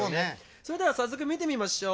それでは早速見てみましょう。